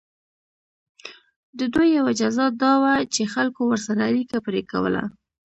د دوی یوه جزا دا وه چې خلکو ورسره اړیکه پرې کوله.